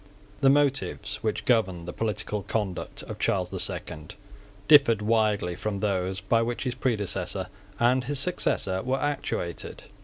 The motives which governed the political conduct of Charles the Second differed widely from those by which his predecessor and his successor were actuated.